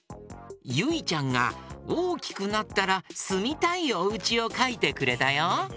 ゆいちゃんがおおきくなったらすみたいおうちをかいてくれたよ。